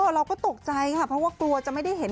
เราก็ตกใจค่ะเพราะว่ากลัวจะไม่ได้เห็น